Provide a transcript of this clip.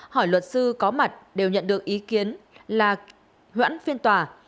hỏi luật sư có mặt đều nhận được ý kiến là hoãn phiên tòa